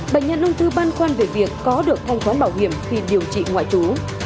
bệnh nhân nông tư băn khoan về việc có được thanh khoán bảo hiểm khi điều trị ngoại trú